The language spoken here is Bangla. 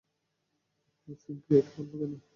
সিনক্রিয়েট করলো কেন?